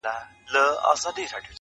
دا په وينو روزل سوی چمن زما دی!.